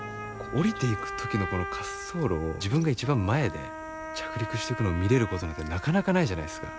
降りていく時のこの滑走路を自分が一番前で着陸してくのを見れることなんてなかなかないじゃないですか。